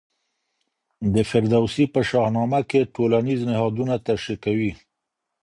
د فردوسي په شاه نامه کې ټولنیز نهادونه تشریح کوي.